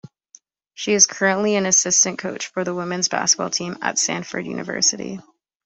She is currently an assistant coach for the women's basketball team at Stanford University.